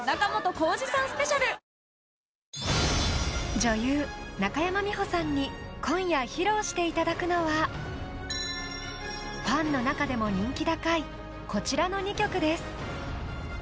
女優・中山美穂さんに今夜披露していただくのはファンの中でも人気高いこちらの２曲です。